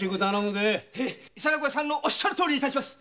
伊皿子屋さんのおっしゃるとおりに致します。